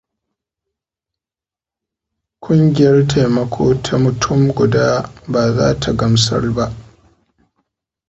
Kungiyar taimako ta mutum guda ba za ta gamsar ba.